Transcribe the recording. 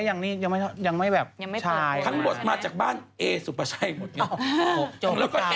มีอีกนั้นจะมีมากหนักอีกนะ